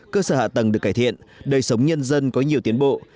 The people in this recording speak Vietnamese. cơ sở hạ tầng được cải thiện đời sống nhân dân có nhiều tiến bộ